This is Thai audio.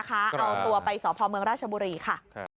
เอาตัวไปสพเมืองราชบุรีค่ะ